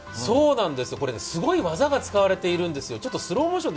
すごい技が使われているんです。